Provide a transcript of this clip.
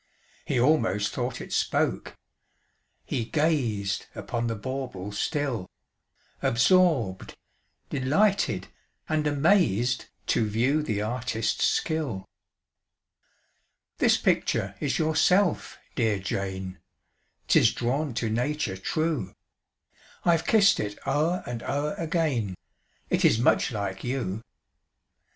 He almost thought it spoke: he gazed Upon the bauble still, Absorbed, delighted, and amazed, To view the artist's skill. "This picture is yourself, dear Jane 'Tis drawn to nature true: I've kissed it o'er and o'er again, It is much like you."